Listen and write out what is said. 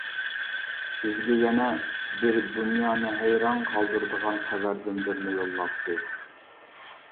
بىزگە يەنە بىر دۇنيانى ھەيران قالدۇرىدىغان خەۋەردىن بىرنى يوللاپسىز.